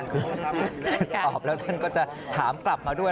คือตอบแล้วท่านก็จะถามกลับมาด้วย